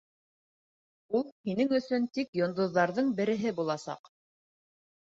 Ул һинең өсөн тик йондоҙҙарҙың береһе буласаҡ.